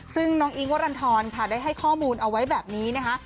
ซึ่งน้องอิ๊งวรรณฑรค่ะได้ให้ข้อมูลเอาไว้แบบนี้นะคะ